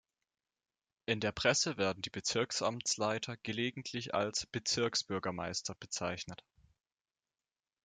In der Presse werden die Bezirksamtsleiter gelegentlich als „Bezirksbürgermeister“ bezeichnet.